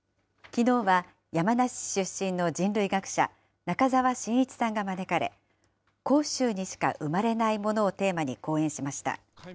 きのうは山梨市出身の人類学者、中沢新一さんが招かれ、甲州にしか生まれないものをテーマに講演しました。